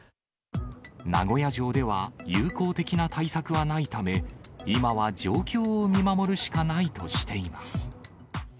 名古屋城では有効的な対策はないため、今は状況を見守るしかないとしています。